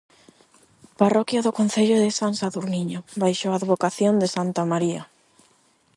Parroquia do concello de San Sadurniño baixo a advocación de santa María.